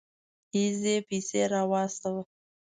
اېزي پيسه راواستوه.